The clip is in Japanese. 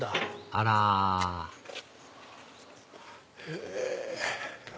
あらへぇ。